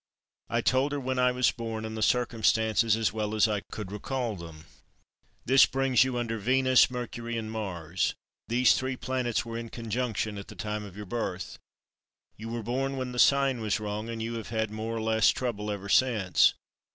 I told her when I was born and the circumstances as well as I could recall them. "This brings you under Venus, Mercury and Mars. These three planets were in conjunction at the time of your birth. You were born when the sign was wrong and you have had more or less trouble ever since.